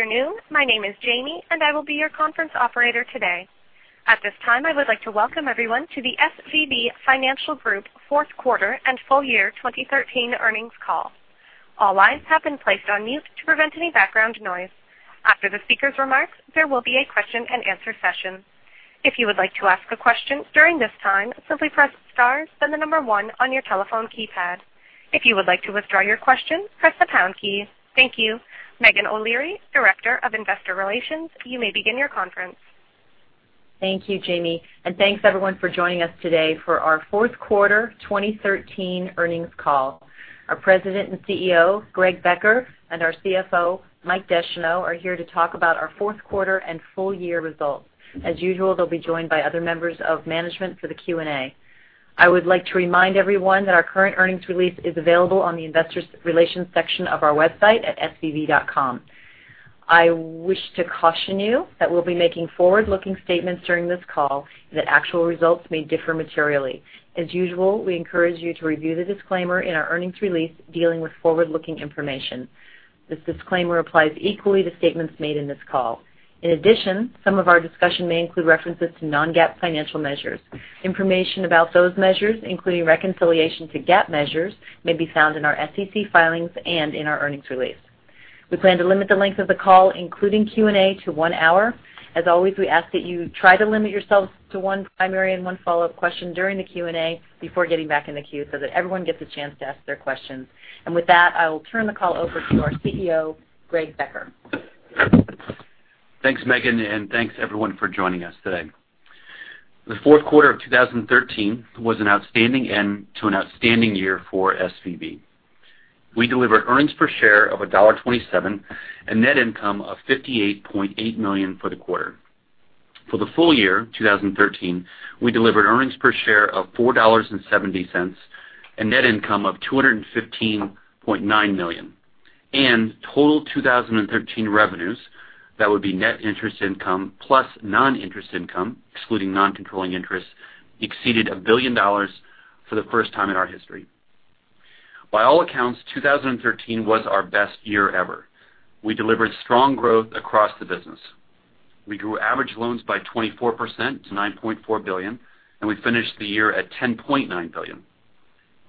Afternoon. My name is Jamie, I will be your conference operator today. At this time, I would like to welcome everyone to the SVB Financial Group fourth quarter and full year 2013 earnings call. All lines have been placed on mute to prevent any background noise. After the speaker's remarks, there will be a question and answer session. If you would like to ask a question during this time, simply press star, then the number 1 on your telephone keypad. If you would like to withdraw your question, press the pound key. Thank you. Meghan O'Leary, Director of Investor Relations, you may begin your conference. Thank you, Jamie, thanks, everyone, for joining us today for our fourth quarter 2013 earnings call. Our President and CEO, Greg Becker, our CFO, Mike Descheneaux, are here to talk about our fourth quarter and full year results. As usual, they'll be joined by other members of management for the Q&A. I would like to remind everyone that our current earnings release is available on the investor relations section of our website at svb.com. I wish to caution you that we'll be making forward-looking statements during this call that actual results may differ materially. As usual, we encourage you to review the disclaimer in our earnings release dealing with forward-looking information. This disclaimer applies equally to statements made in this call. In addition, some of our discussion may include references to non-GAAP financial measures. Information about those measures, including reconciliation to GAAP measures, may be found in our SEC filings and in our earnings release. We plan to limit the length of the call, including Q&A, to one hour. As always, we ask that you try to limit yourselves to one primary and one follow-up question during the Q&A before getting back in the queue so that everyone gets a chance to ask their questions. With that, I will turn the call over to our CEO, Greg Becker. Thanks, Meghan, thanks everyone for joining us today. The fourth quarter of 2013 was an outstanding end to an outstanding year for SVB. We delivered earnings per share of $1.27 net income of $58.8 million for the quarter. For the full year 2013, we delivered earnings per share of $4.70 net income of $215.9 million. Total 2013 revenues, that would be net interest income plus non-interest income, excluding non-controlling interests, exceeded $1 billion for the first time in our history. By all accounts, 2013 was our best year ever. We delivered strong growth across the business. We grew average loans by 24% to $9.4 billion, we finished the year at $10.9 billion.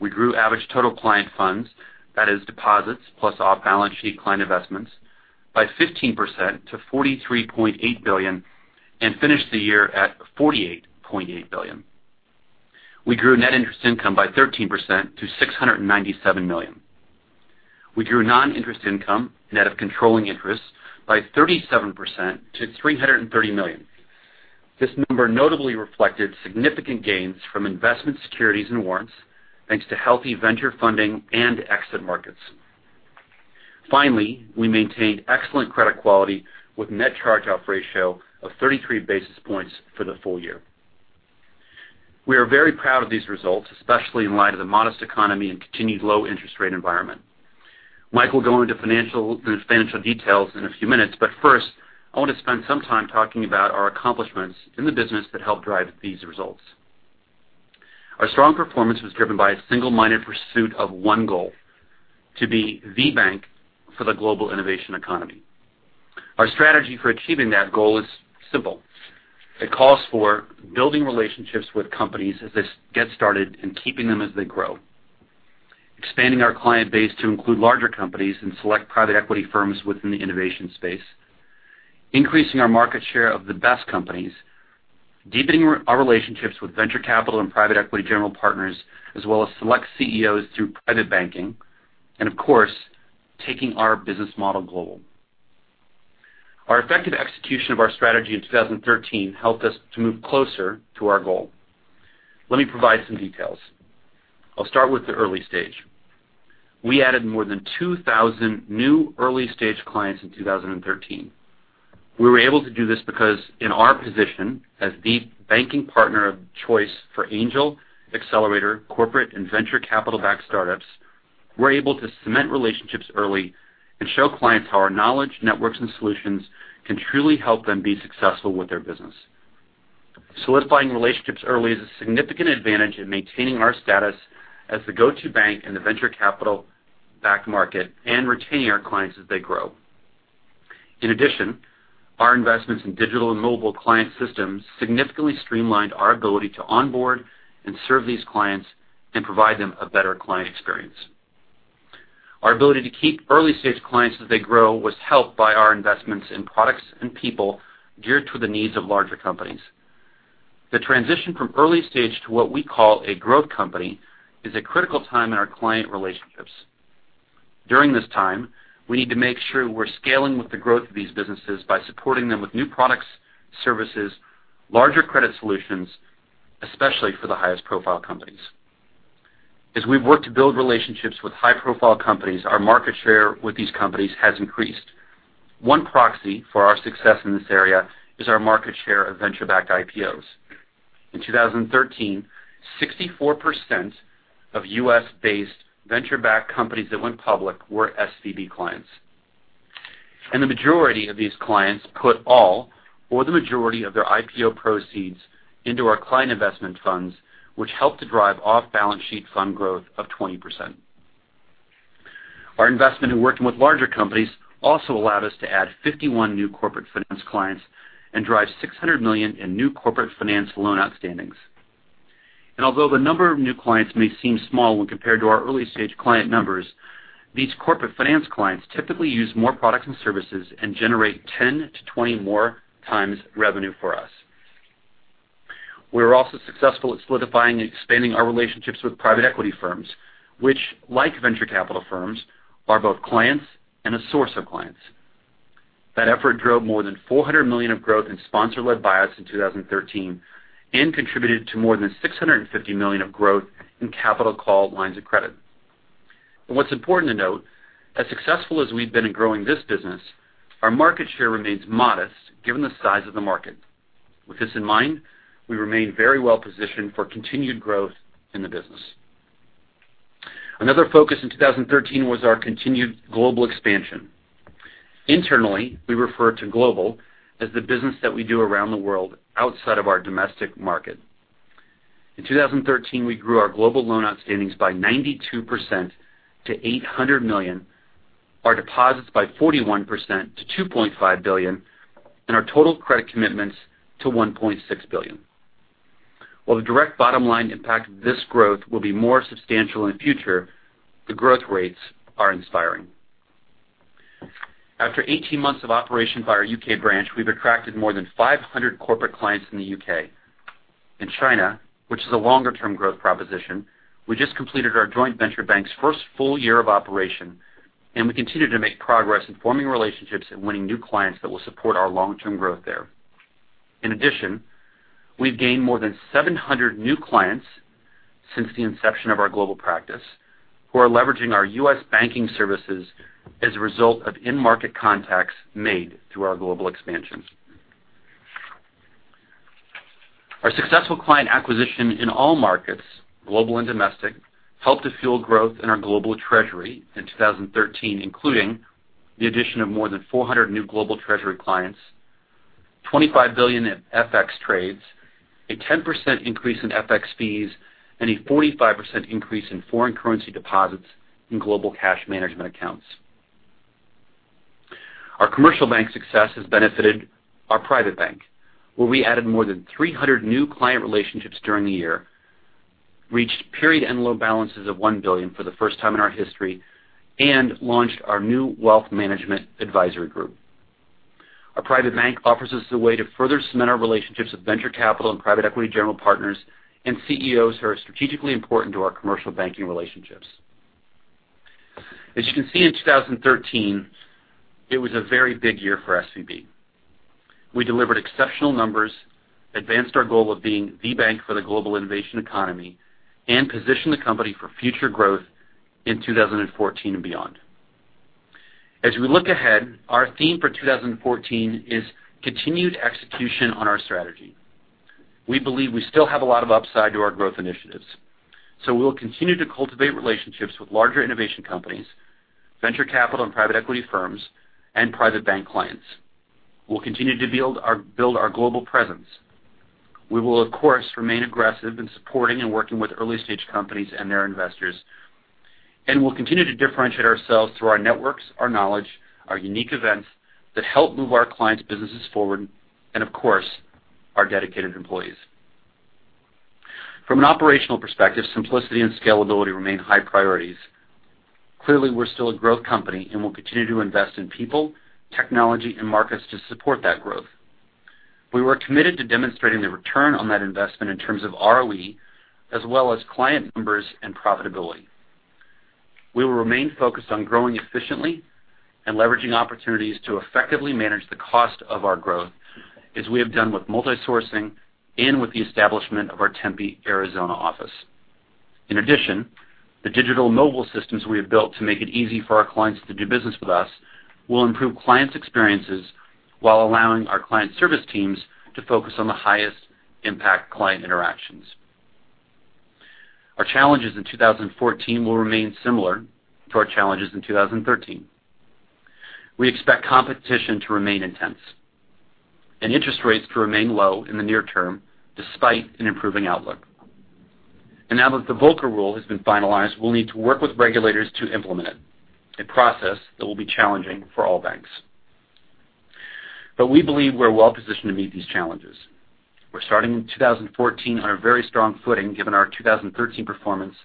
We grew average total client funds, that is deposits plus off-balance sheet client investments, by 15% to $43.8 billion finished the year at $48.8 billion. We grew net interest income by 13% to $697 million. We grew non-interest income, net of controlling interest, by 37% to $330 million. This number notably reflected significant gains from investment securities and warrants, thanks to healthy venture funding and exit markets. Finally, we maintained excellent credit quality with net charge-off ratio of 33 basis points for the full year. We are very proud of these results, especially in light of the modest economy and continued low interest rate environment. Mike will go into the financial details in a few minutes, but first, I want to spend some time talking about our accomplishments in the business that helped drive these results. Our strong performance was driven by a single-minded pursuit of one goal, to be the bank for the global innovation economy. Our strategy for achieving that goal is simple. It calls for building relationships with companies as they get started and keeping them as they grow. Expanding our client base to include larger companies and select private equity firms within the innovation space. Increasing our market share of the best companies. Deepening our relationships with venture capital and private equity general partners, as well as select CEOs through private banking. Of course, taking our business model global. Our effective execution of our strategy in 2013 helped us to move closer to our goal. Let me provide some details. I'll start with the early stage. We added more than 2,000 new early-stage clients in 2013. We were able to do this because in our position as the banking partner of choice for angel, accelerator, corporate, and venture capital-backed startups, we're able to cement relationships early and show clients how our knowledge, networks, and solutions can truly help them be successful with their business. Solidifying relationships early is a significant advantage in maintaining our status as the go-to bank in the venture capital backed market and retaining our clients as they grow. In addition, our investments in digital and mobile client systems significantly streamlined our ability to onboard and serve these clients and provide them a better client experience. Our ability to keep early-stage clients as they grow was helped by our investments in products and people geared to the needs of larger companies. The transition from early stage to what we call a growth company is a critical time in our client relationships. During this time, we need to make sure we're scaling with the growth of these businesses by supporting them with new products, services, larger credit solutions, especially for the highest profile companies. As we've worked to build relationships with high-profile companies, our market share with these companies has increased. One proxy for our success in this area is our market share of venture-backed IPOs. In 2013, 64% of U.S.-based venture-backed companies that went public were SVB clients. The majority of these clients put the majority of their IPO proceeds into our client investment funds, which help to drive off-balance sheet fund growth of 20%. Our investment in working with larger companies also allowed us to add 51 new corporate finance clients and drive $600 million in new corporate finance loan outstandings. Although the number of new clients may seem small when compared to our early-stage client numbers, these corporate finance clients typically use more products and services and generate 10 to 20 more times revenue for us. We were also successful at solidifying and expanding our relationships with private equity firms, which like venture capital firms, are both clients and a source of clients. That effort drove more than $400 million of growth in sponsor-led buyouts in 2013 and contributed to more than $650 million of growth in capital call lines of credit. What's important to note, as successful as we've been in growing this business, our market share remains modest given the size of the market. With this in mind, we remain very well positioned for continued growth in the business. Another focus in 2013 was our continued global expansion. Internally, we refer to global as the business that we do around the world outside of our domestic market. In 2013, we grew our global loan outstandings by 92% to $800 million, our deposits by 41% to $2.5 billion, and our total credit commitments to $1.6 billion. The direct bottom line impact of this growth will be more substantial in the future, the growth rates are inspiring. After 18 months of operation by our U.K. branch, we've attracted more than 500 corporate clients in the U.K. In China, which is a longer-term growth proposition, we just completed our joint venture bank's first full year of operation, and we continue to make progress in forming relationships and winning new clients that will support our long-term growth there. In addition, we've gained more than 700 new clients since the inception of our global practice, who are leveraging our U.S. banking services as a result of in-market contacts made through our global expansions. Our successful client acquisition in all markets, global and domestic, helped to fuel growth in our global treasury in 2013, including the addition of more than 400 new global treasury clients, $25 billion in FX trades, a 10% increase in FX fees, and a 45% increase in foreign currency deposits in global cash management accounts. Our commercial bank success has benefited our private bank, where we added more than 300 new client relationships during the year, reached period end loan balances of $1 billion for the first time in our history, and launched our new wealth management advisory group. Our private bank offers us a way to further cement our relationships with venture capital and private equity general partners and CEOs who are strategically important to our commercial banking relationships. As you can see in 2013, it was a very big year for SVB. We delivered exceptional numbers, advanced our goal of being the bank for the global innovation economy, and positioned the company for future growth in 2014 and beyond. As we look ahead, our theme for 2014 is continued execution on our strategy. We believe we still have a lot of upside to our growth initiatives. We will continue to cultivate relationships with larger innovation companies, venture capital and private equity firms, and private bank clients. We'll continue to build our global presence. We will, of course, remain aggressive in supporting and working with early-stage companies and their investors, and we'll continue to differentiate ourselves through our networks, our knowledge, our unique events that help move our clients' businesses forward, and of course, our dedicated employees. From an operational perspective, simplicity and scalability remain high priorities. Clearly, we're still a growth company and will continue to invest in people, technology, and markets to support that growth. We were committed to demonstrating the return on that investment in terms of ROE, as well as client numbers and profitability. We will remain focused on growing efficiently and leveraging opportunities to effectively manage the cost of our growth, as we have done with multi-sourcing and with the establishment of our Tempe, Arizona office. In addition, the digital mobile systems we have built to make it easy for our clients to do business with us will improve clients' experiences while allowing our client service teams to focus on the highest impact client interactions. Our challenges in 2014 will remain similar to our challenges in 2013. We expect competition to remain intense and interest rates to remain low in the near term, despite an improving outlook. Now that the Volcker Rule has been finalized, we'll need to work with regulators to implement it, a process that will be challenging for all banks. We believe we're well positioned to meet these challenges. We're starting in 2014 on a very strong footing given our 2013 performance.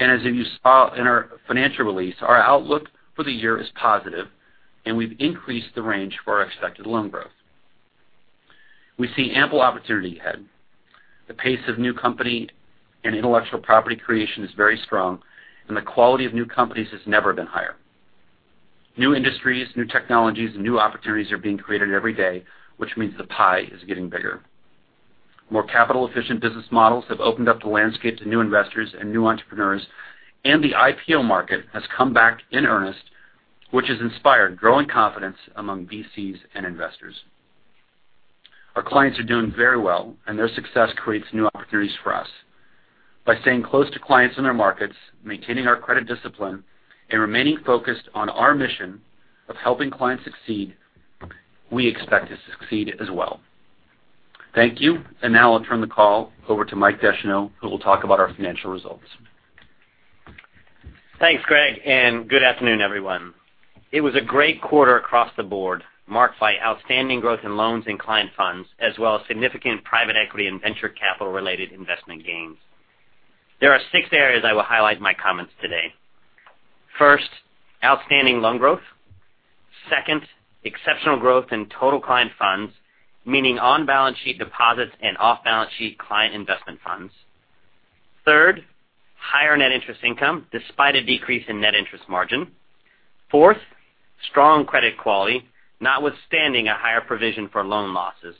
As you saw in our financial release, our outlook for the year is positive, and we've increased the range for our expected loan growth. We see ample opportunity ahead. The pace of new company and intellectual property creation is very strong, and the quality of new companies has never been higher. New industries, new technologies, and new opportunities are being created every day, which means the pie is getting bigger. More capital-efficient business models have opened up the landscape to new investors and new entrepreneurs, and the IPO market has come back in earnest, which has inspired growing confidence among VCs and investors. Our clients are doing very well, and their success creates new opportunities for us. By staying close to clients in our markets, maintaining our credit discipline, and remaining focused on our mission of helping clients succeed, we expect to succeed as well. Thank you. Now I'll turn the call over to Mike Descheneaux, who will talk about our financial results. Thanks, Greg, and good afternoon, everyone. It was a great quarter across the board, marked by outstanding growth in loans and client funds, as well as significant private equity and venture capital-related investment gains. There are six areas I will highlight in my comments today. First, outstanding loan growth. Second, exceptional growth in total client funds, meaning on-balance-sheet deposits and off-balance-sheet client investment funds. Third, higher net interest income despite a decrease in net interest margin. Fourth, strong credit quality notwithstanding a higher provision for loan losses.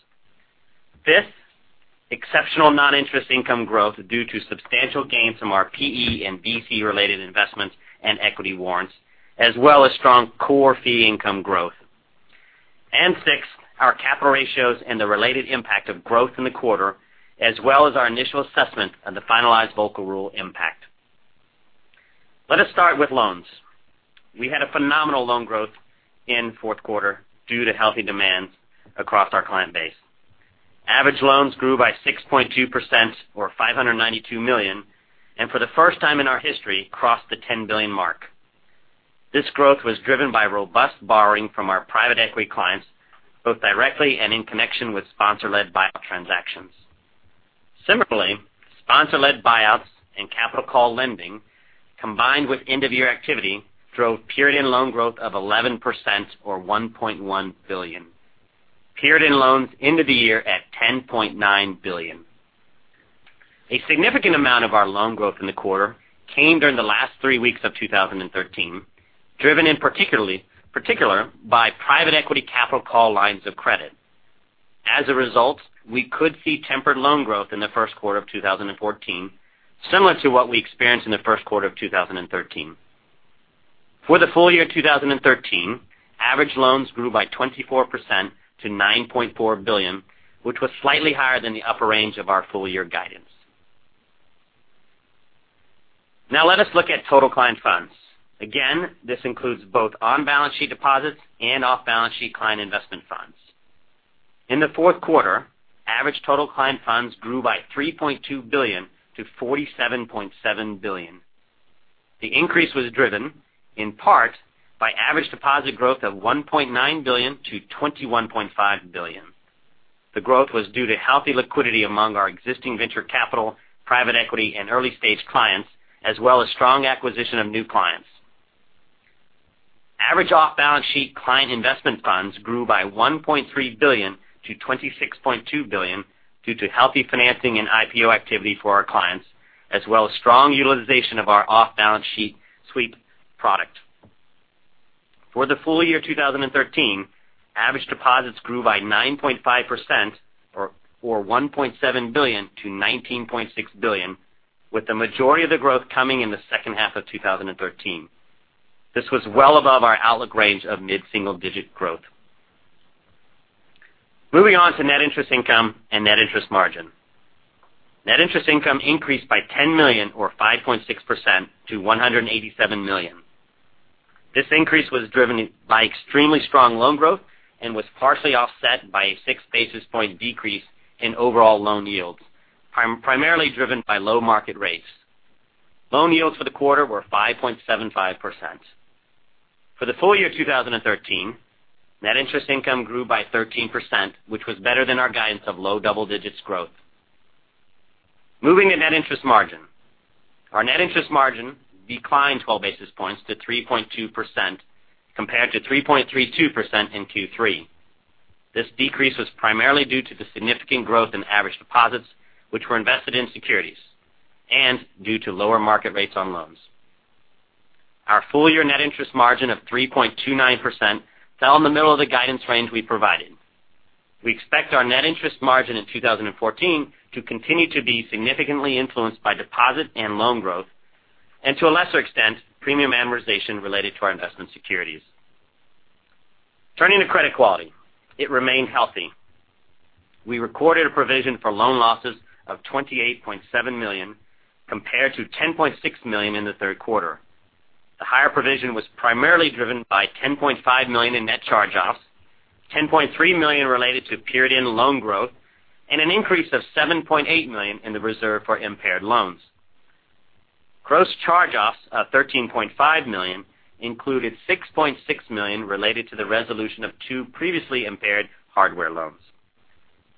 Fifth, exceptional non-interest income growth due to substantial gains from our PE and VC-related investments and equity warrants, as well as strong core fee income growth. Sixth, our capital ratios and the related impact of growth in the quarter, as well as our initial assessment of the finalized Volcker Rule impact. Let us start with loans. We had phenomenal loan growth in the fourth quarter due to healthy demands across our client base. Average loans grew by 6.2%, or $592 million, and for the first time in our history, crossed the $10 billion mark. This growth was driven by robust borrowing from our private equity clients, both directly and in connection with sponsor-led buyout transactions. Similarly, sponsor-led buyouts and capital call lending, combined with end-of-year activity, drove period-end loan growth of 11%, or $1.1 billion. Period-end loans end of the year at $10.9 billion. A significant amount of our loan growth in the quarter came during the last three weeks of 2013, driven in particular by private equity capital call lines of credit. As a result, we could see tempered loan growth in the first quarter of 2014, similar to what we experienced in the first quarter of 2013. For the full year 2013, average loans grew by 24% to $9.4 billion, which was slightly higher than the upper range of our full-year guidance. Now let us look at total client funds. Again, this includes both on-balance-sheet deposits and off-balance-sheet client investment funds. In the fourth quarter, average total client funds grew by $3.2 billion to $47.7 billion. The increase was driven in part by average deposit growth of $1.9 billion to $21.5 billion. The growth was due to healthy liquidity among our existing venture capital, private equity, and early-stage clients, as well as strong acquisition of new clients. Average off-balance-sheet client investment funds grew by $1.3 billion to $26.2 billion due to healthy financing and IPO activity for our clients, as well as strong utilization of our off-balance-sheet sweep product. For the full year 2013, average deposits grew by 9.5%, or $1.7 billion to $19.6 billion, with the majority of the growth coming in the second half of 2013. This was well above our outlook range of mid-single-digit growth. Moving on to net interest income and net interest margin. Net interest income increased by $10 million, or 5.6%, to $187 million. This increase was driven by extremely strong loan growth and was partially offset by a six basis point decrease in overall loan yields, primarily driven by low market rates. Loan yields for the quarter were 5.75%. For the full year 2013, net interest income grew by 13%, which was better than our guidance of low double digits growth. Moving to net interest margin. Our net interest margin declined 12 basis points to 3.2%, compared to 3.32% in Q3. This decrease was primarily due to the significant growth in average deposits, which were invested in securities, and due to lower market rates on loans. Our full-year net interest margin of 3.29% fell in the middle of the guidance range we provided. We expect our net interest margin in 2014 to continue to be significantly influenced by deposit and loan growth, and to a lesser extent, premium amortization related to our investment securities. Turning to credit quality. It remained healthy. We recorded a provision for loan losses of $28.7 million, compared to $10.6 million in the third quarter. The higher provision was primarily driven by $10.5 million in net charge-offs, $10.3 million related to period-end loan growth, and an increase of $7.8 million in the reserve for impaired loans. Gross charge-offs of $13.5 million included $6.6 million related to the resolution of two previously impaired hardware loans.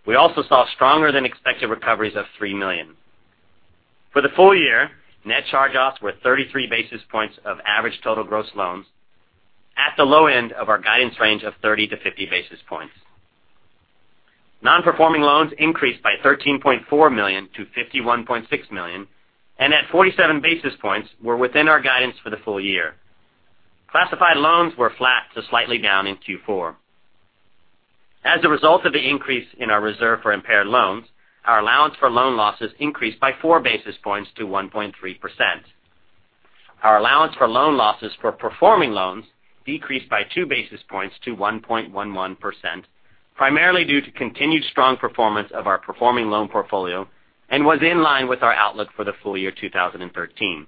We also saw stronger than expected recoveries of $3 million. For the full year, net charge-offs were 33 basis points of average total gross loans, at the low end of our guidance range of 30 to 50 basis points. Non-performing loans increased by $13.4 million to $51.6 million, and at 47 basis points, were within our guidance for the full year. Classified loans were flat to slightly down in Q4. As a result of the increase in our reserve for impaired loans, our allowance for loan losses increased by four basis points to 1.3%. Our allowance for loan losses for performing loans decreased by two basis points to 1.11%, primarily due to continued strong performance of our performing loan portfolio and was in line with our outlook for the full year 2013.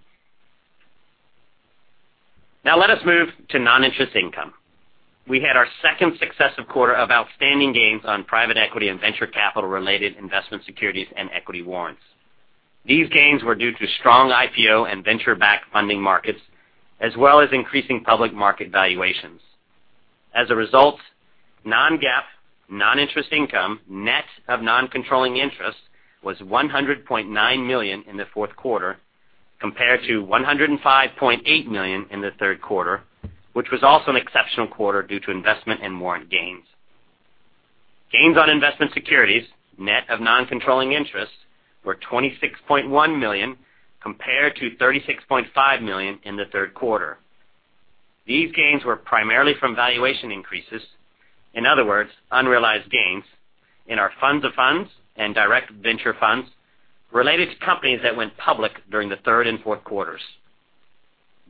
Now let us move to non-interest income. We had our second successive quarter of outstanding gains on private equity and venture capital related investment securities and equity warrants. These gains were due to strong IPO and venture-backed funding markets, as well as increasing public market valuations. As a result, non-GAAP, non-interest income, net of non-controlling interest, was $100.9 million in the fourth quarter, compared to $105.8 million in the third quarter, which was also an exceptional quarter due to investment and warrant gains. Gains on investment securities, net of non-controlling interests, were $26.1 million, compared to $36.5 million in the third quarter. These gains were primarily from valuation increases, in other words, unrealized gains, in our funds of funds and direct venture funds related to companies that went public during the third and fourth quarters.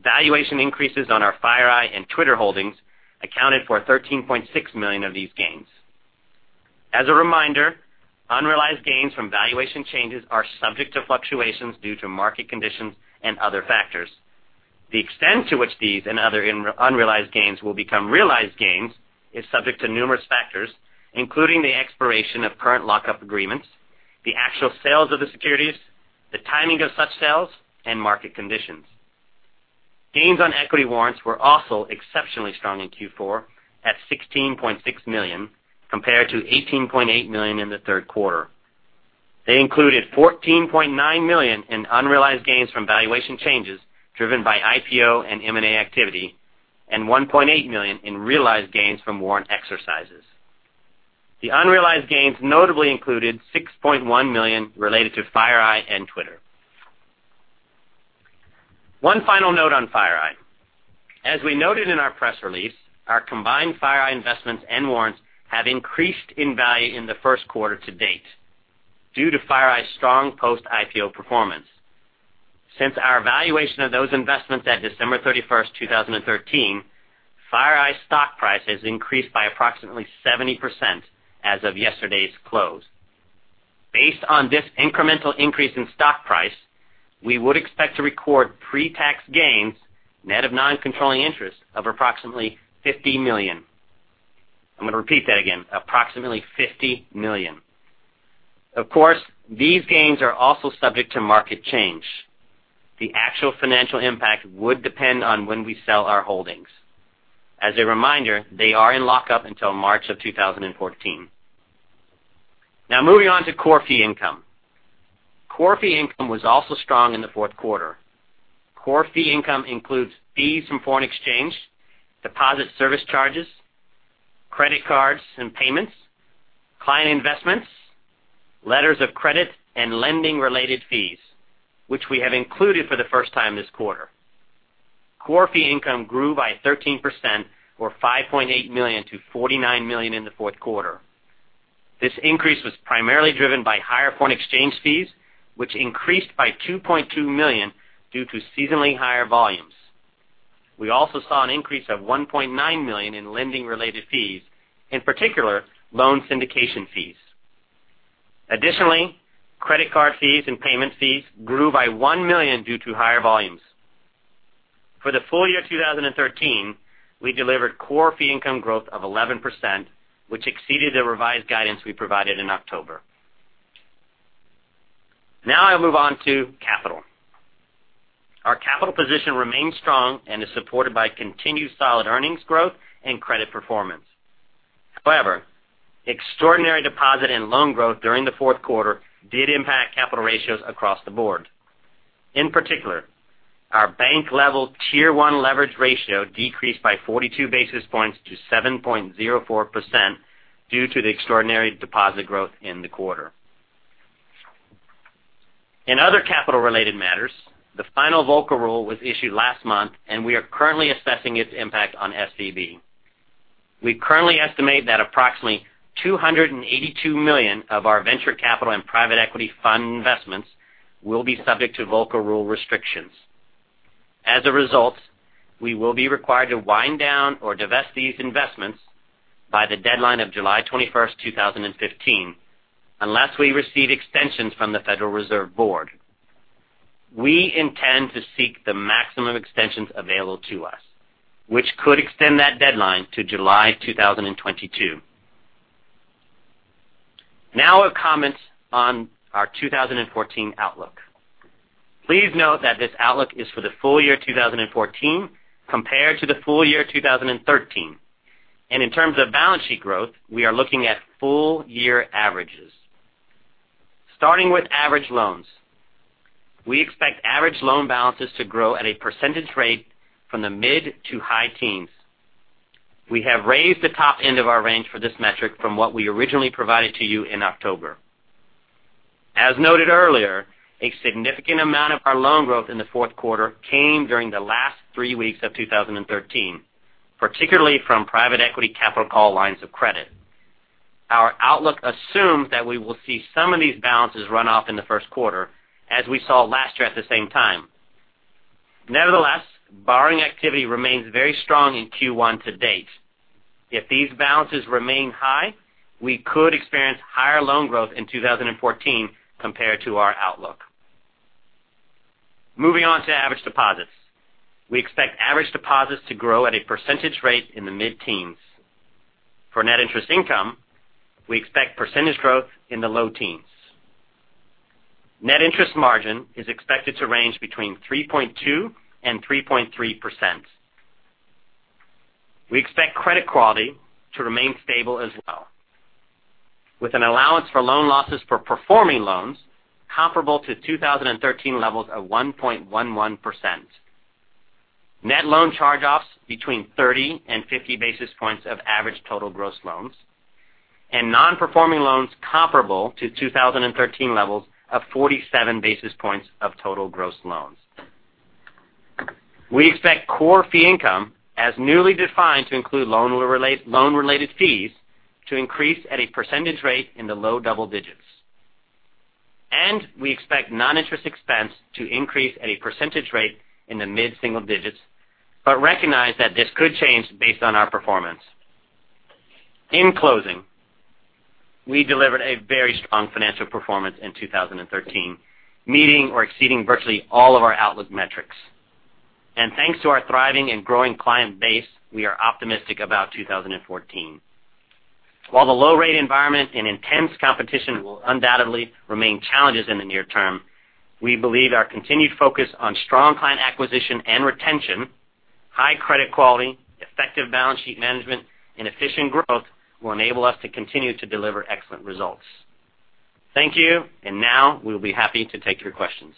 Valuation increases on our FireEye and Twitter holdings accounted for $13.6 million of these gains. As a reminder, unrealized gains from valuation changes are subject to fluctuations due to market conditions and other factors. The extent to which these and other unrealized gains will become realized gains is subject to numerous factors, including the expiration of current lockup agreements, the actual sales of the securities, the timing of such sales, and market conditions. Gains on equity warrants were also exceptionally strong in Q4 at $16.6 million, compared to $18.8 million in the third quarter. They included $14.9 million in unrealized gains from valuation changes driven by IPO and M&A activity, and $1.8 million in realized gains from warrant exercises. The unrealized gains notably included $6.1 million related to FireEye and Twitter. One final note on FireEye. As we noted in our press release, our combined FireEye investments and warrants have increased in value in the first quarter to date due to FireEye's strong post-IPO performance. Since our valuation of those investments at December 31st, 2013, FireEye's stock price has increased by approximately 70% as of yesterday's close. Based on this incremental increase in stock price, we would expect to record pre-tax gains, net of non-controlling interest, of approximately $50 million. I'm going to repeat that again, approximately $50 million. Of course, these gains are also subject to market change. The actual financial impact would depend on when we sell our holdings. As a reminder, they are in lockup until March of 2014. Now moving on to core fee income. Core fee income was also strong in the fourth quarter. Core fee income includes fees from foreign exchange, deposit service charges, credit cards and payments, client investments, letters of credit, and lending-related fees, which we have included for the first time this quarter. Core fee income grew by 13%, or $5.8 million to $49 million in the fourth quarter. This increase was primarily driven by higher foreign exchange fees, which increased by $2.2 million due to seasonally higher volumes. We also saw an increase of $1.9 million in lending-related fees, in particular, loan syndication fees. Additionally, credit card fees and payment fees grew by $1 million due to higher volumes. For the full year 2013, we delivered core fee income growth of 11%, which exceeded the revised guidance we provided in October. I will move on to capital. Our capital position remains strong and is supported by continued solid earnings growth and credit performance. However, extraordinary deposit and loan growth during the fourth quarter did impact capital ratios across the board. In particular, our bank-level Tier 1 leverage ratio decreased by 42 basis points to 7.04% due to the extraordinary deposit growth in the quarter. In other capital related matters, the final Volcker Rule was issued last month, and we are currently assessing its impact on SVB. We currently estimate that approximately $282 million of our venture capital and private equity fund investments will be subject to Volcker Rule restrictions. As a result, we will be required to wind down or divest these investments by the deadline of July 21st, 2015, unless we receive extensions from the Federal Reserve Board. We intend to seek the maximum extensions available to us, which could extend that deadline to July 2022. A comment on our 2014 outlook. Please note that this outlook is for the full year 2014 compared to the full year 2013. In terms of balance sheet growth, we are looking at full year averages. Starting with average loans. We expect average loan balances to grow at a percentage rate from the mid to high teens. We have raised the top end of our range for this metric from what we originally provided to you in October. As noted earlier, a significant amount of our loan growth in the fourth quarter came during the last three weeks of 2013, particularly from private equity capital call lines of credit. Our outlook assumes that we will see some of these balances run off in the first quarter, as we saw last year at the same time. Nevertheless, borrowing activity remains very strong in Q1 to date. If these balances remain high, we could experience higher loan growth in 2014 compared to our outlook. Moving on to average deposits. We expect average deposits to grow at a percentage rate in the mid-teens. For net interest income, we expect percentage growth in the low teens. Net interest margin is expected to range between 3.2%-3.3%. We expect credit quality to remain stable as well, with an allowance for loan losses for performing loans comparable to 2013 levels of 1.11%. Net loan charge-offs between 30-50 basis points of average total gross loans, and non-performing loans comparable to 2013 levels of 47 basis points of total gross loans. We expect core fee income, as newly defined, to include loan-related fees to increase at a percentage rate in the low double digits. We expect non-interest expense to increase at a percentage rate in the mid-single digits, but recognize that this could change based on our performance. In closing, we delivered a very strong financial performance in 2013, meeting or exceeding virtually all of our outlook metrics. Thanks to our thriving and growing client base, we are optimistic about 2014. While the low-rate environment and intense competition will undoubtedly remain challenges in the near term, we believe our continued focus on strong client acquisition and retention, high credit quality, effective balance sheet management, and efficient growth will enable us to continue to deliver excellent results. Thank you, and now we'll be happy to take your questions.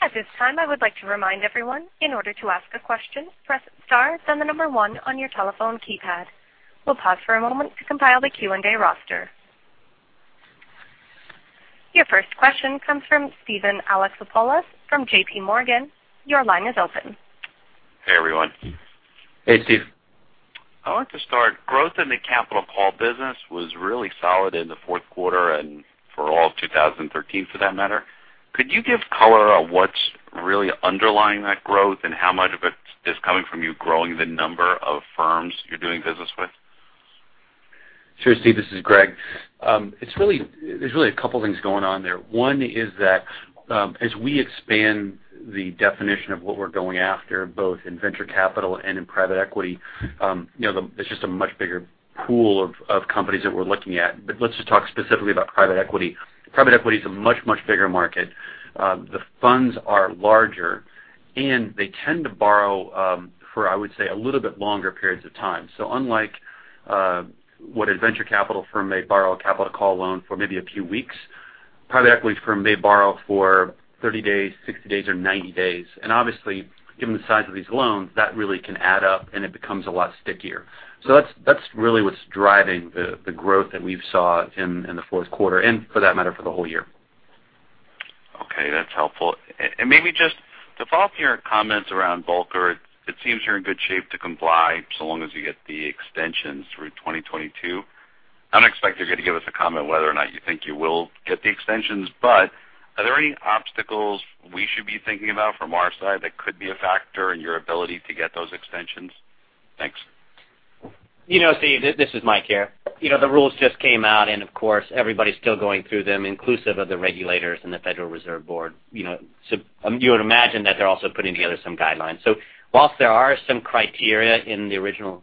At this time, I would like to remind everyone, in order to ask a question, press star, then the number one on your telephone keypad. We'll pause for a moment to compile the Q&A roster. Your first question comes from Steven Alexopoulos from JPMorgan. Your line is open. Hey, everyone. Hey, Steven. I wanted to start, growth in the capital call business was really solid in the fourth quarter, and for all of 2013, for that matter. Could you give color on what's really underlying that growth and how much of it is coming from you growing the number of firms you're doing business with? Sure, Steven, this is Greg. There's really a couple things going on there. One is that as we expand the definition of what we're going after, both in venture capital and in private equity, there's just a much bigger pool of companies that we're looking at. Let's just talk specifically about private equity. Private equity is a much, much bigger market. The funds are larger, and they tend to borrow for, I would say, a little bit longer periods of time. Unlike what a venture capital firm may borrow a capital call loan for maybe a few weeks, private equity firm may borrow for 30 days, 60 days, or 90 days. Obviously, given the size of these loans, that really can add up, and it becomes a lot stickier. That's really what's driving the growth that we've seen in the fourth quarter and, for that matter, for the whole year. Okay, that's helpful. Maybe just to follow up your comments around Volcker, it seems you're in good shape to comply so long as you get the extensions through 2022. I don't expect you're going to give us a comment on whether or not you think you will get the extensions, are there any obstacles we should be thinking about from our side that could be a factor in your ability to get those extensions? Thanks. Steve, this is Mike here. Of course, everybody's still going through them, inclusive of the regulators and the Federal Reserve Board. You would imagine that they're also putting together some guidelines. Whilst there are some criteria in the original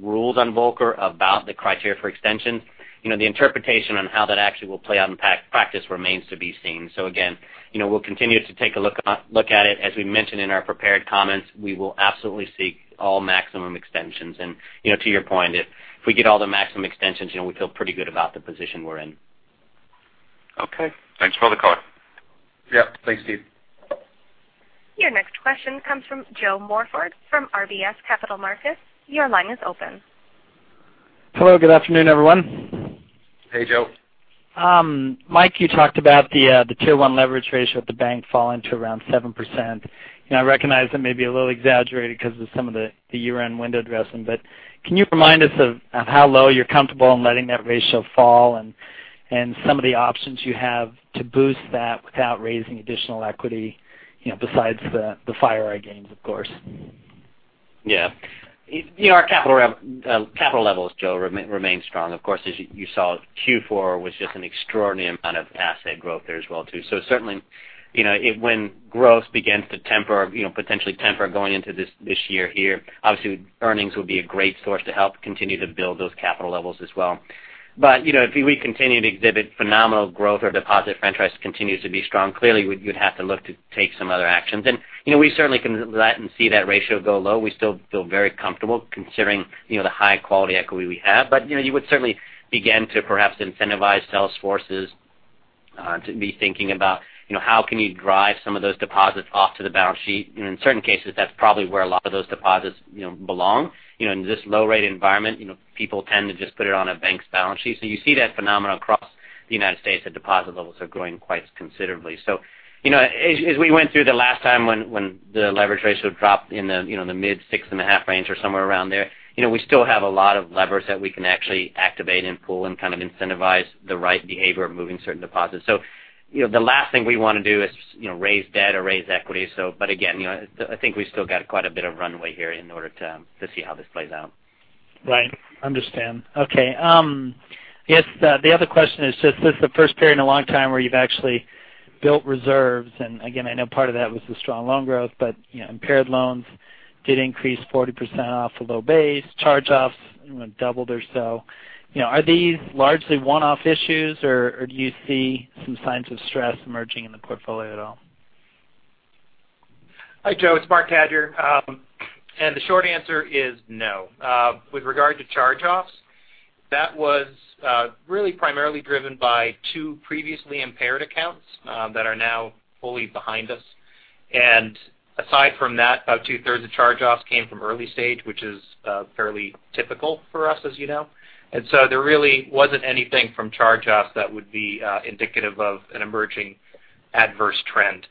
rules on Volcker about the criteria for extension, the interpretation on how that actually will play out in practice remains to be seen. Again, we'll continue to take a look at it. As we mentioned in our prepared comments, we will absolutely seek all maximum extensions. To your point, if we get all the maximum extensions, we feel pretty good about the position we're in. Okay. Thanks for the call. Yeah, thanks, Steve. Your next question comes from Joe Morford from RBC Capital Markets. Your line is open. Hello. Good afternoon, everyone. Hey, Joe. Mike, you talked about the Tier 1 leverage ratio at the bank falling to around 7%. I recognize that may be a little exaggerated because of some of the year-end window dressing, can you remind us of how low you're comfortable in letting that ratio fall and some of the options you have to boost that without raising additional equity, besides the FireEye gains, of course? Yeah. Our capital levels, Joe, remain strong. Of course, as you saw, Q4 was just an extraordinary amount of asset growth there as well, too. Certainly, when growth begins to potentially temper going into this year here, obviously earnings will be a great source to help continue to build those capital levels as well. If we continue to exhibit phenomenal growth, our deposit franchise continues to be strong. Clearly, you'd have to look to take some other actions. We certainly can live with and see that ratio go low. We still feel very comfortable considering the high-quality equity we have. You would certainly begin to perhaps incentivize sales forces to be thinking about how can you drive some of those deposits off to the balance sheet. In certain cases, that's probably where a lot of those deposits belong. In this low-rate environment, people tend to just put it on a bank's balance sheet. You see that phenomenon across the U.S., that deposit levels are growing quite considerably. As we went through the last time when the leverage ratio dropped in the mid 6.5 range or somewhere around there, we still have a lot of levers that we can actually activate and pull and kind of incentivize the right behavior of moving certain deposits. The last thing we want to do is raise debt or raise equity. Again, I think we've still got quite a bit of runway here in order to see how this plays out. Right. Understand. Okay. Yes. The other question is just, this is the first period in a long time where you've actually built reserves. Again, I know part of that was the strong loan growth, but impaired loans did increase 40% off a low base. Charge-offs doubled or so. Are these largely one-off issues, or do you see some signs of stress emerging in the portfolio at all? Hi, Joe. It's Marc Cadieux. The short answer is no. With regard to charge-offs, that was really primarily driven by two previously impaired accounts that are now fully behind us. Aside from that, about two-thirds of charge-offs came from early stage, which is fairly typical for us, as you know. There really wasn't anything from charge-offs that would be indicative of an emerging adverse trend.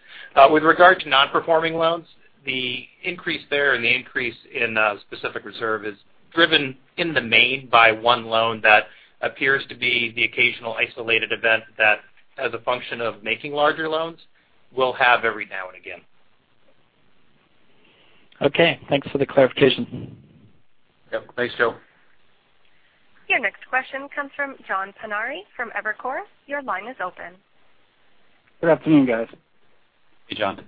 With regard to non-performing loans, the increase there and the increase in specific reserve is driven in the main by one loan that appears to be the occasional isolated event that as a function of making larger loans, we'll have every now and again. Okay, thanks for the clarification. Yep. Thanks, Joe. Your next question comes from John Pancari from Evercore. Your line is open. Good afternoon, guys. Hey, John.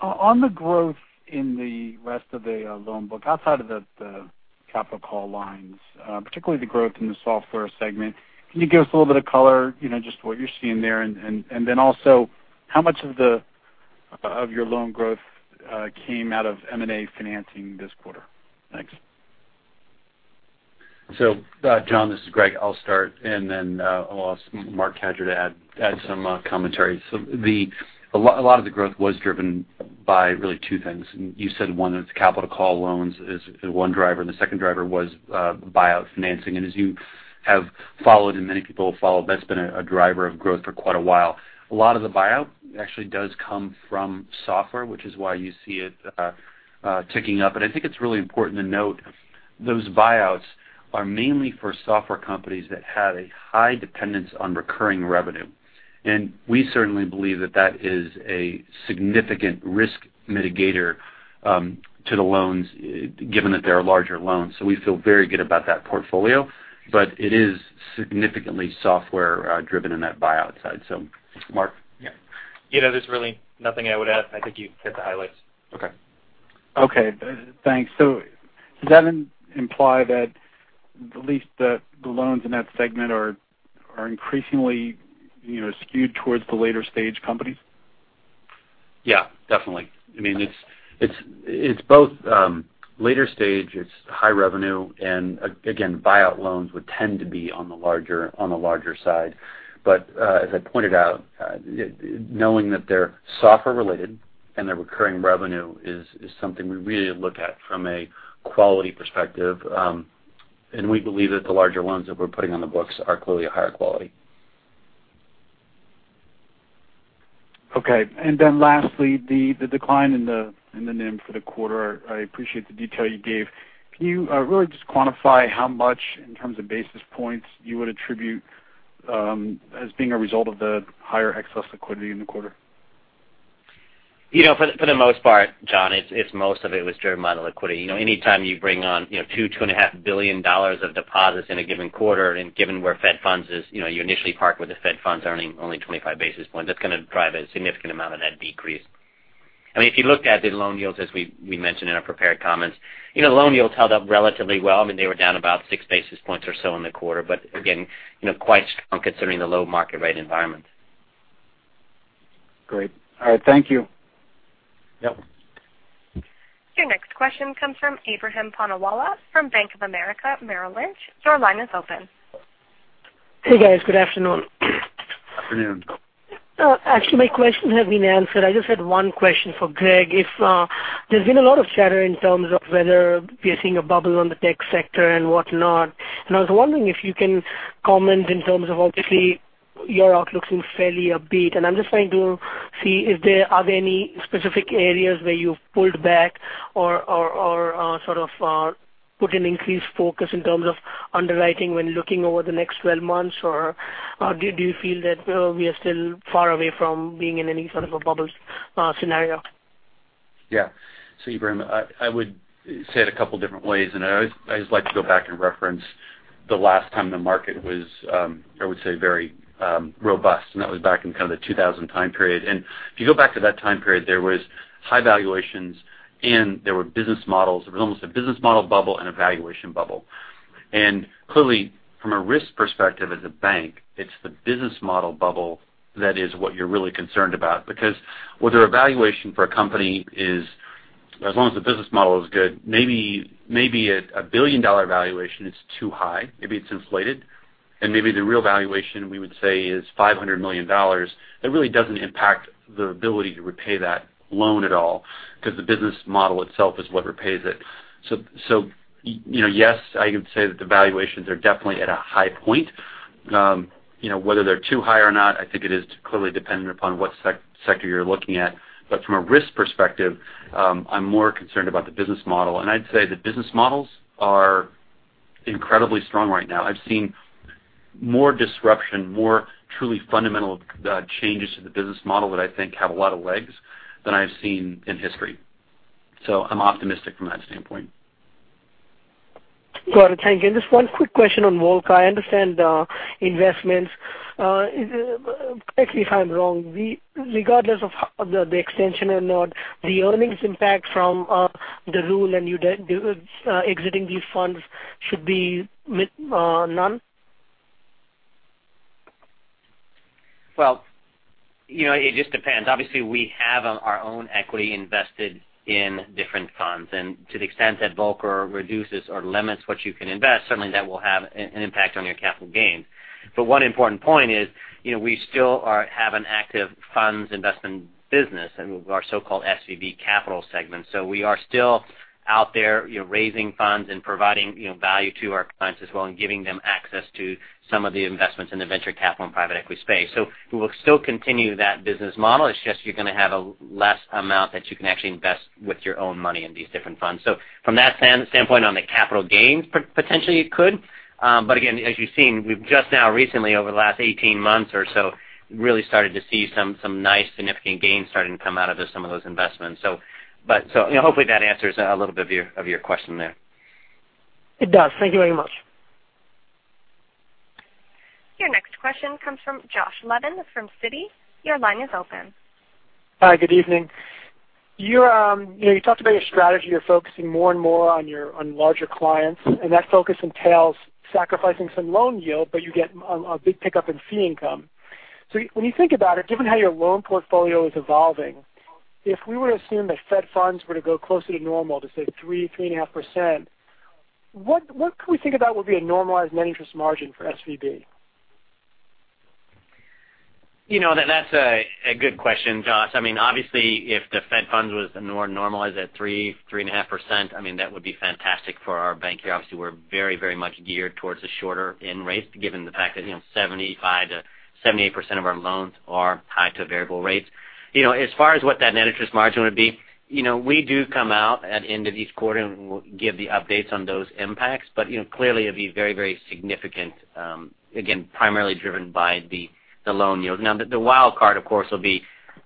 On the growth in the rest of the loan book, outside of the capital call lines, particularly the growth in the software segment, can you give us a little bit of color, just what you're seeing there? How much of your loan growth came out of M&A financing this quarter? Thanks. John, this is Greg. I'll start and then I'll ask Marc Cadieux to add some commentary. A lot of the growth was driven by really two things. You said one of the capital call loans is one driver, and the second driver was buyout financing. As you have followed, and many people have followed, that's been a driver of growth for quite a while. A lot of the buyout actually does come from software, which is why you see it ticking up. I think it's really important to note those buyouts are mainly for software companies that have a high dependence on recurring revenue. We certainly believe that that is a significant risk mitigator to the loans, given that they are larger loans. We feel very good about that portfolio, but it is significantly software driven in that buyout side. Marc? Yeah. There's really nothing I would add. I think you hit the highlights. Okay. Okay, thanks. Does that imply that at least the loans in that segment are increasingly skewed towards the later stage companies? Yeah, definitely. It's both later stage, it's high revenue. Again, buyout loans would tend to be on the larger side. As I pointed out, knowing that they're software related and their recurring revenue is something we really look at from a quality perspective. We believe that the larger loans that we're putting on the books are clearly a higher quality. Okay. Lastly, the decline in the NIM for the quarter. I appreciate the detail you gave. Can you really just quantify how much, in terms of basis points, you would attribute as being a result of the higher excess liquidity in the quarter? For the most part, John, most of it was driven by the liquidity. Anytime you bring on $2 billion-$2.5 billion of deposits in a given quarter, given where Fed funds is, you initially park with the Fed funds earning only 25 basis points. That's going to drive a significant amount of that decrease. If you looked at the loan yields as we mentioned in our prepared comments, loan yields held up relatively well. They were down about six basis points or so in the quarter. Again, quite strong considering the low market rate environment. Great. All right. Thank you. Yep. Your next question comes from Ebrahim Poonawala from Bank of America Merrill Lynch. Your line is open. Hey, guys. Good afternoon. Afternoon. Actually, my question has been answered. I just had one question for Greg. There's been a lot of chatter in terms of whether we are seeing a bubble on the tech sector and whatnot, and I was wondering if you can comment in terms of, obviously, your outlook seems fairly upbeat, and I'm just trying to see if there are any specific areas where you've pulled back or sort of put an increased focus in terms of underwriting when looking over the next 12 months, or do you feel that we are still far away from being in any sort of a bubble scenario? Yeah. Ebrahim, I would say it a couple different ways, and I always like to go back and reference the last time the market was, I would say, very robust, and that was back in kind of the 2000 time period. If you go back to that time period, there was high valuations and there were business models. It was almost a business model bubble and a valuation bubble. Clearly, from a risk perspective as a bank, it's the business model bubble that is what you're really concerned about. Because whether a valuation for a company is, as long as the business model is good, maybe a billion-dollar valuation is too high, maybe it's inflated, and maybe the real valuation, we would say is $500 million. That really doesn't impact the ability to repay that loan at all because the business model itself is what repays it. Yes, I would say that the valuations are definitely at a high point. Whether they're too high or not, I think it is clearly dependent upon what sector you're looking at. From a risk perspective, I'm more concerned about the business model. I'd say the business models are incredibly strong right now. I've seen more disruption, more truly fundamental changes to the business model that I think have a lot of legs than I've seen in history. I'm optimistic from that standpoint. Got it. Thank you. Just one quick question on Volcker. I understand investments. Correct me if I'm wrong, regardless of how the extension or not the earnings impact from the rule and exiting these funds should be none. It just depends. Obviously, we have our own equity invested in different funds. To the extent that Volcker reduces or limits what you can invest, certainly that will have an impact on your capital gains. One important point is we still have an active funds investment business in our so-called SVB Capital segment. We are still out there raising funds and providing value to our clients as well, and giving them access to some of the investments in the venture capital and private equity space. We will still continue that business model. It's just you're going to have a less amount that you can actually invest with your own money in these different funds. From that standpoint on the capital gains, potentially it could. Again, as you've seen, we've just now recently, over the last 18 months or so, really started to see some nice significant gains starting to come out of some of those investments. Hopefully that answers a little bit of your question there. It does. Thank you very much. Your next question comes from Josh Levin from Citi. Your line is open. Hi. Good evening. You talked about your strategy. You're focusing more and more on larger clients. That focus entails sacrificing some loan yield, but you get a big pickup in fee income. When you think about it, given how your loan portfolio is evolving, if we were to assume that Fed funds were to go closer to normal to, say, 3%-3.5%, what could we think about would be a normalized net interest margin for SVB? That's a good question, Josh. Obviously, if the Fed funds was more normalized at 3%-3.5%, that would be fantastic for our bank. Obviously, we're very much geared towards the shorter end rates given the fact that 75%-78% of our loans are tied to variable rates. As far as what that net interest margin would be, we do come out at the end of each quarter and we'll give the updates on those impacts. Clearly, it'd be very significant, again, primarily driven by the loan yield. Now, the wild card, of course, will be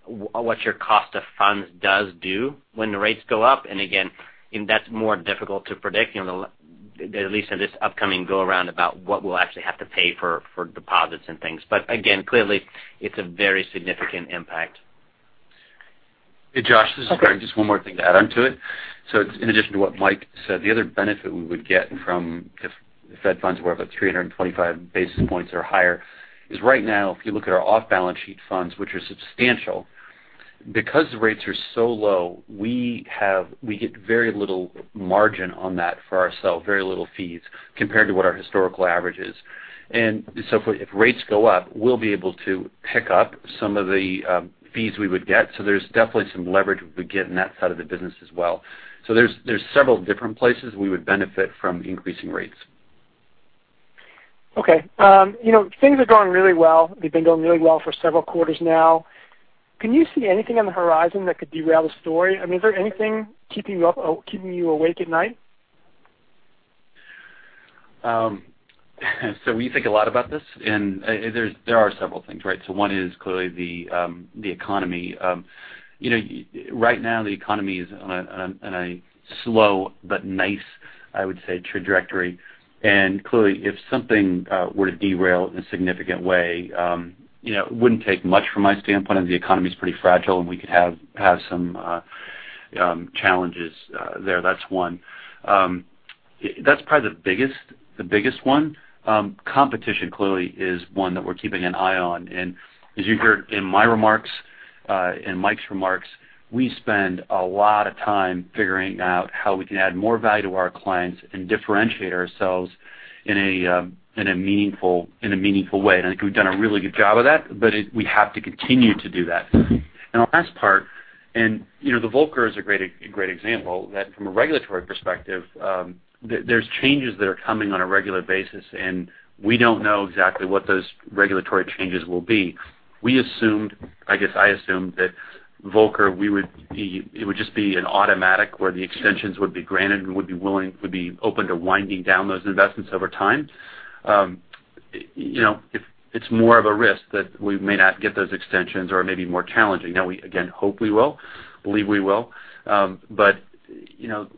what your cost of funds does do when the rates go up. Again, that's more difficult to predict, at least in this upcoming go around about what we'll actually have to pay for deposits and things. Again, clearly it's a very significant impact. Hey, Josh, this is Greg. Just one more thing to add onto it. In addition to what Mike said, the other benefit we would get from if Fed funds were about 325 basis points or higher is right now, if you look at our off-balance sheet funds, which are substantial, because rates are so low, we get very little margin on that for ourselves, very little fees compared to what our historical average is. If rates go up, we'll be able to pick up some of the fees we would get. There's definitely some leverage we get in that side of the business as well. There's several different places we would benefit from increasing rates. Okay. Things are going really well. They've been going really well for several quarters now. Can you see anything on the horizon that could derail the story? Is there anything keeping you awake at night? We think a lot about this, and there are several things. One is clearly the economy. Right now the economy is on a slow but nice, I would say, trajectory. Clearly, if something were to derail it in a significant way, it wouldn't take much from my standpoint, and the economy's pretty fragile, and we could have some challenges there. That's one. That's probably the biggest one. Competition clearly is one that we're keeping an eye on. As you heard in my remarks, in Mike's remarks, we spend a lot of time figuring out how we can add more value to our clients and differentiate ourselves in a meaningful way. I think we've done a really good job of that, but we have to continue to do that. The last part, and the Volcker Rule is a great example, that from a regulatory perspective, there's changes that are coming on a regular basis, and we don't know exactly what those regulatory changes will be. We assumed, I guess I assumed, that Volcker Rule, it would just be an automatic where the extensions would be granted, and we would be open to winding down those investments over time. It's more of a risk that we may not get those extensions or it may be more challenging. Now, we again hope we will, believe we will.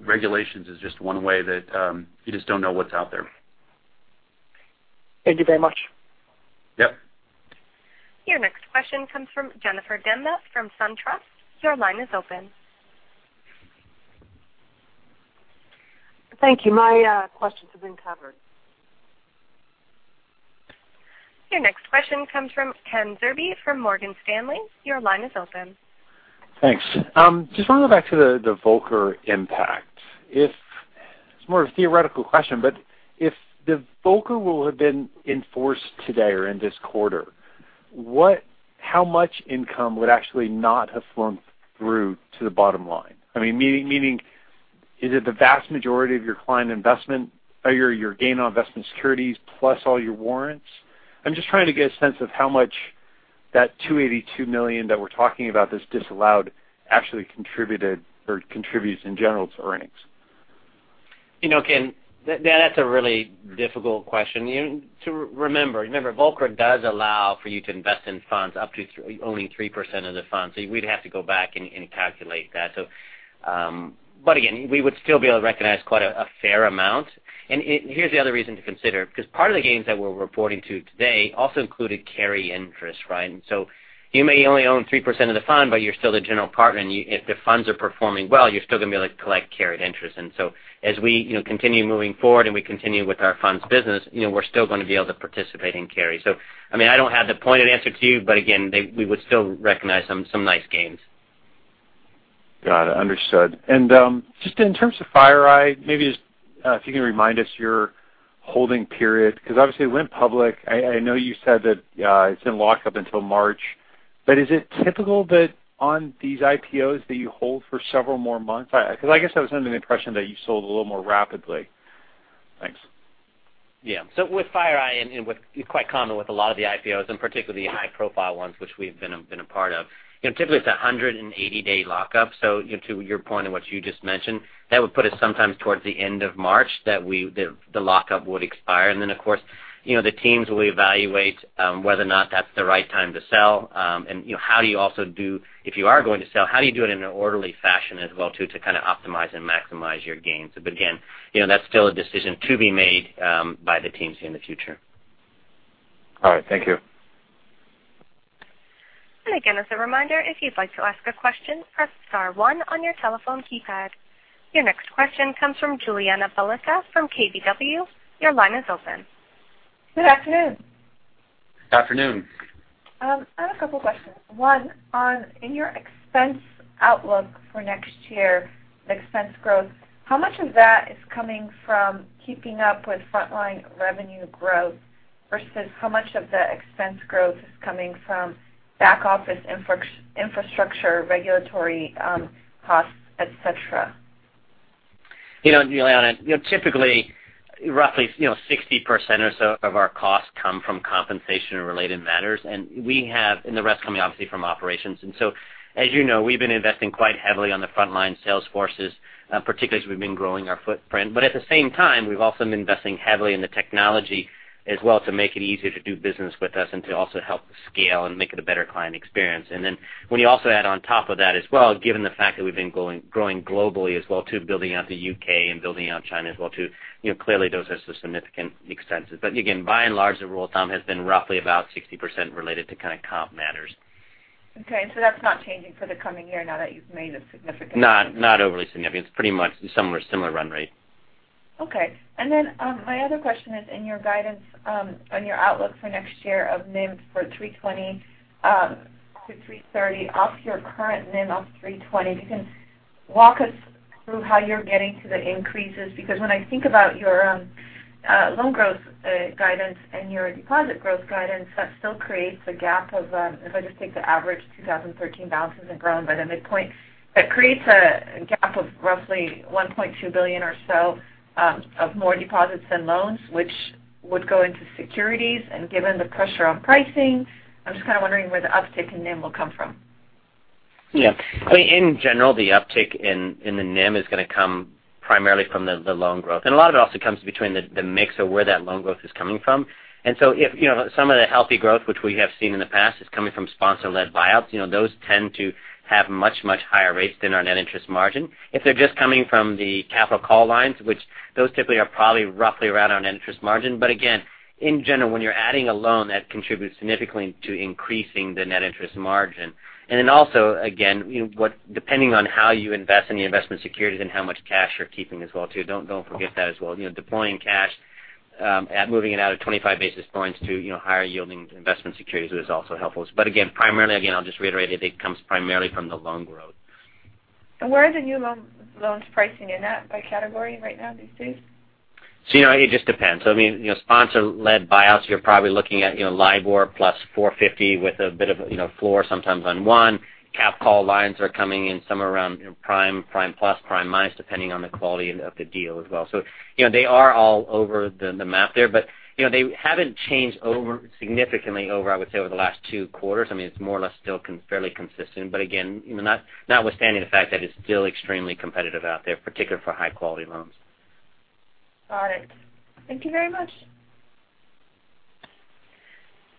Regulations is just one way that you just don't know what's out there. Thank you very much. Yep. Your next question comes from Jennifer Demba from SunTrust. Your line is open. Thank you. My questions have been covered. Your next question comes from Ken Zerbe from Morgan Stanley. Your line is open. Thanks. Just want to go back to the Volcker impact. It's more of a theoretical question, but if the Volcker Rule had been enforced today or in this quarter, how much income would actually not have flown through to the bottom line? Meaning, is it the vast majority of your gain on investment securities plus all your warrants? I'm just trying to get a sense of how much that $282 million that we're talking about that's disallowed actually contributed or contributes in general to earnings. Ken, that's a really difficult question. Remember, Volcker does allow for you to invest in funds up to only 3% of the fund. We'd have to go back and calculate that. Again, we would still be able to recognize quite a fair amount. Here's the other reason to consider, because part of the gains that we're reporting today also included carry interest. You may only own 3% of the fund, but you're still the general partner. If the funds are performing well, you're still going to be able to collect carried interest. As we continue moving forward and we continue with our funds business, we're still going to be able to participate in carry. I don't have the pointed answer to you, but again, we would still recognize some nice gains. Got it. Understood. Just in terms of FireEye, maybe if you can remind us your holding period, because obviously it went public. I know you said that it's in lockup until March, but is it typical that on these IPOs that you hold for several more months? I guess I was under the impression that you sold a little more rapidly. Thanks. Yeah. With FireEye, and quite common with a lot of the IPOs and particularly the high profile ones, which we've been a part of. Typically, it's a 180-day lockup. To your point and what you just mentioned, that would put us sometimes towards the end of March that the lockup would expire. Then, of course, the teams will evaluate whether or not that's the right time to sell. If you are going to sell, how do you do it in an orderly fashion as well too, to kind of optimize and maximize your gains? Again, that's still a decision to be made by the teams in the future. All right. Thank you. Again, as a reminder, if you'd like to ask a question, press star one on your telephone keypad. Your next question comes from Julianna Balicka from KBW. Your line is open. Good afternoon. Afternoon. I have a couple questions. One, in your expense outlook for next year, the expense growth, how much of that is coming from keeping up with frontline revenue growth versus how much of the expense growth is coming from back office infrastructure, regulatory costs, et cetera? Julianna, typically, roughly 60% or so of our costs come from compensation and related matters. The rest coming, obviously, from operations. As you know, we've been investing quite heavily on the frontline sales forces, particularly as we've been growing our footprint. At the same time, we've also been investing heavily in the technology as well to make it easier to do business with us and to also help scale and make it a better client experience. When you also add on top of that as well, given the fact that we've been growing globally as well too, building out the U.K. and building out China as well too, clearly those are some significant expenses. Again, by and large, the rule of thumb has been roughly about 60% related to kind of comp matters. Okay. That's not changing for the coming year now that you've made a significant. Not overly significant. It's pretty much somewhere similar run rate. Okay. My other question is, in your guidance on your outlook for next year of NIM for 320-330 off your current NIM of 320, if you can walk us through how you're getting to the increases. When I think about your loan growth guidance and your deposit growth guidance, that still creates a gap of, if I just take the average 2013 balances and grown by the midpoint, that creates a gap of roughly $1.2 billion or so of more deposits than loans, which would go into securities. Given the pressure on pricing, I'm just kind of wondering where the uptick in NIM will come from. Yeah. In general, the uptick in the NIM is going to come primarily from the loan growth. A lot of it also comes between the mix of where that loan growth is coming from. Some of the healthy growth which we have seen in the past is coming from sponsor-led buyouts. Those tend to have much, much higher rates than our net interest margin. If they're just coming from the capital call lines, which those typically are probably roughly around our net interest margin. Again, in general, when you're adding a loan, that contributes significantly to increasing the net interest margin. Also, again, depending on how you invest in the investment securities and how much cash you're keeping as well too. Don't forget that as well. Deploying cash, moving it out of 25 basis points to higher yielding investment securities is also helpful. Again, primarily, I'll just reiterate it comes primarily from the loan growth. Where are the new loans pricing in at by category right now these days? It just depends. Sponsor-led buyouts, you're probably looking at LIBOR plus 450 with a bit of a floor sometimes on one. Cap call lines are coming in somewhere around prime plus, prime minus, depending on the quality of the deal as well. They are all over the map there, but they haven't changed significantly over, I would say, the last two quarters. It's more or less still fairly consistent. Again, notwithstanding the fact that it's still extremely competitive out there, particularly for high quality loans. Got it. Thank you very much.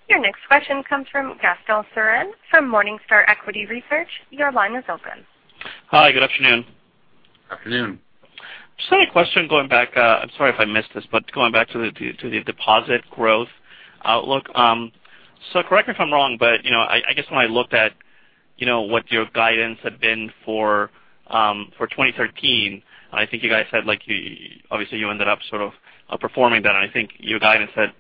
Your next question comes from Gaston Ceron from Morningstar Equity Research. Your line is open. Hi, good afternoon. Afternoon. Just had a question going back. I'm sorry if I missed this, but going back to the deposit growth outlook. Correct me if I'm wrong, but I guess when I looked at what your guidance had been for 2013, I think you guys said obviously you ended up sort of outperforming that. I think your guidance said,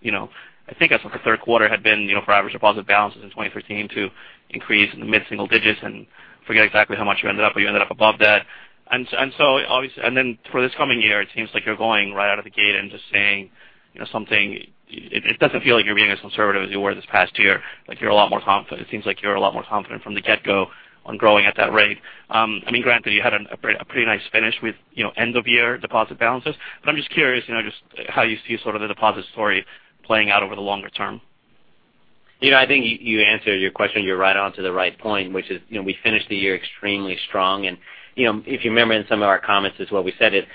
I think the third quarter had been for average deposit balances in 2013 to increase in the mid-single digits and forget exactly how much you ended up, but you ended up above that. Then for this coming year, it seems like you're going right out of the gate into saying something. It doesn't feel like you're being as conservative as you were this past year. It seems like you're a lot more confident from the get-go on growing at that rate. Granted, you had a pretty nice finish with end of year deposit balances. I'm just curious just how you see sort of the deposit story playing out over the longer term. I think you answered your question. You're right onto the right point, which is we finished the year extremely strong. If you remember in some of our comments as well, we said it,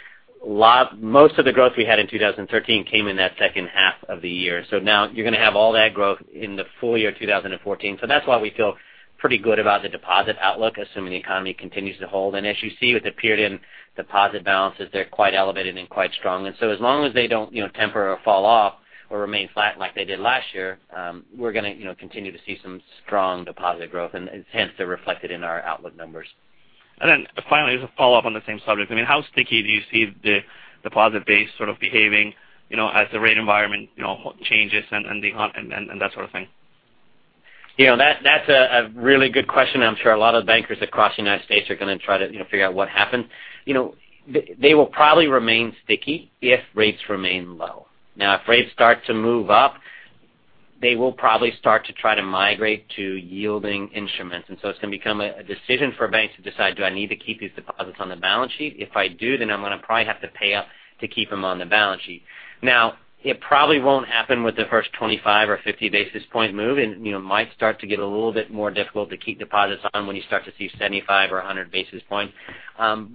most of the growth we had in 2013 came in that second half of the year. Now you're going to have all that growth in the full year 2014. That's why we feel pretty good about the deposit outlook, assuming the economy continues to hold. As you see with the period in deposit balances, they're quite elevated and quite strong. As long as they don't temper or fall off or remain flat like they did last year, we're going to continue to see some strong deposit growth, and hence, they're reflected in our outlook numbers. Then finally, just a follow-up on the same subject. How sticky do you see the deposit base sort of behaving as the rate environment changes and that sort of thing? That's a really good question. I'm sure a lot of bankers across the United States are going to try to figure out what happened. They will probably remain sticky if rates remain low. If rates start to move up, they will probably start to try to migrate to yielding instruments. It's going to become a decision for banks to decide, do I need to keep these deposits on the balance sheet? If I do, I'm going to probably have to pay up to keep them on the balance sheet. It probably won't happen with the first 25 or 50 basis point move. It might start to get a little bit more difficult to keep deposits on when you start to see 75 or 100 basis points. From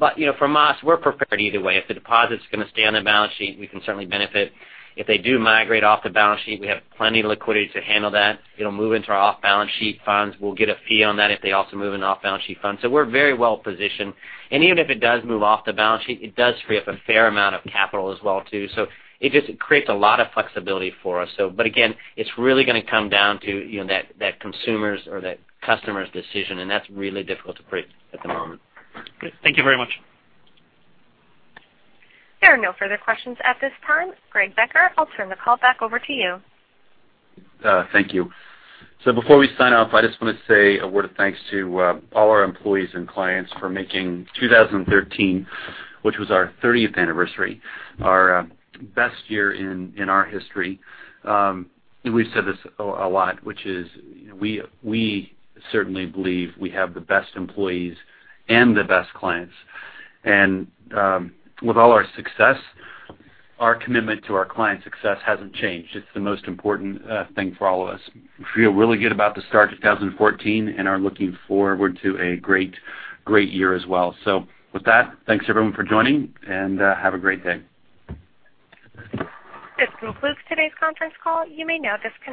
us, we're prepared either way. If the deposit's going to stay on the balance sheet, we can certainly benefit. If they do migrate off the balance sheet, we have plenty of liquidity to handle that. It'll move into our off-balance sheet funds. We'll get a fee on that if they also move into off-balance sheet funds. We're very well positioned. Even if it does move off the balance sheet, it does free up a fair amount of capital as well too. It just creates a lot of flexibility for us. Again, it's really going to come down to that consumer's or that customer's decision, and that's really difficult to predict at the moment. Great. Thank you very much. There are no further questions at this time. Greg Becker, I'll turn the call back over to you. Thank you. Before we sign off, I just want to say a word of thanks to all our employees and clients for making 2013, which was our 30th anniversary, our best year in our history. We've said this a lot, which is we certainly believe we have the best employees and the best clients. With all our success, our commitment to our clients' success hasn't changed. It's the most important thing for all of us. We feel really good about the start to 2014 and are looking forward to a great year as well. With that, thanks everyone for joining, and have a great day. This concludes today's conference call. You may now disconnect.